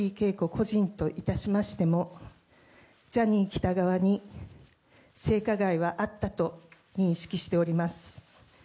個人といたしましても、ジャニー喜多川に性加害はあったと認識しております。